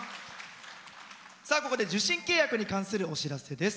ここで受信契約に関するお知らせです。